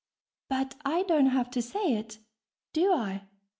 (But I don't have to say it, do I?